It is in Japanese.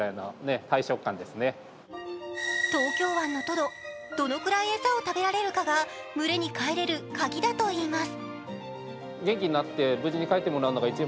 東京湾のトド、どのくらい餌を食べられるかが群れに帰れる鍵だといいます。